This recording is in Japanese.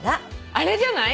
あれじゃない？